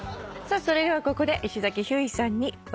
それではここで石崎ひゅーいさんに。